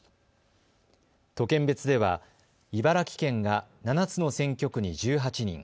都県別では茨城県が７つの選挙区に１８人。